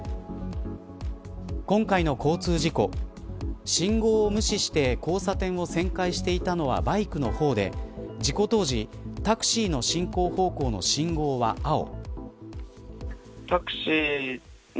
今回の交通事故信号を無視して交差点を旋回していたのはバイクのほうで事故当時タクシーの進行方向の信号は青。